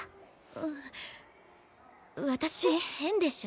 んっ私変でしょ？